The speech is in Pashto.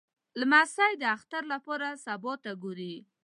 لمسی د اختر لپاره سبا ته ګوري.